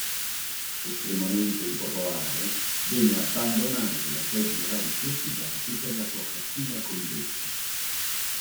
Estremamente impopolare, venne abbandonato dai suoi generali più fidati per la sua cattiva condotta.